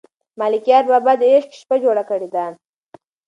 ملکیار بابا د عشق شپه جوړه کړې ده.